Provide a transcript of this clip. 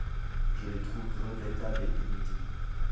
Je les trouve regrettables et inutiles.